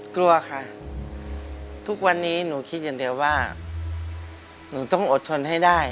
กลัวค่ะทุกวันนี้หนูคิดอย่างเดียวว่าหนูต้องอดทนให้ได้